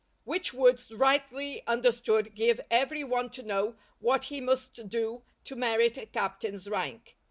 _" Which words rightly understood give every one to know what he must do to merit a captain's rank.